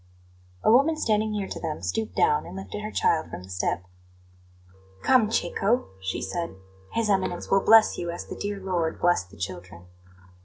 A woman standing near to them stooped down and lifted her child from the step. "Come, Cecco," she said. "His Eminence will bless you as the dear Lord blessed the children."